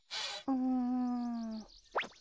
うん。